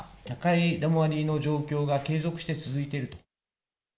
高止まりの状況が継続して続いていると。